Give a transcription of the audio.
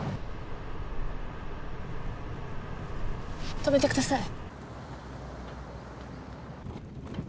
止めてください。